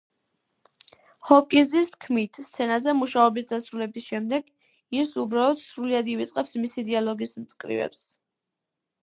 ჰოპკინზის თქმით, სცენაზე მუშაობის დასრულების შემდეგ, ის უბრალოდ სრულიად ივიწყებს მისი დიალოგის მწკრივებს.